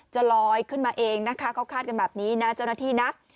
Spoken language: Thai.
จะลอยขึ้นมาเองนะคะเขาคาดกันแบบนี้นะเจ้าหน้าที่นะ